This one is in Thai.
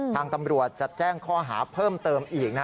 ทางตำรวจจะแจ้งข้อหาเพิ่มเติมอีก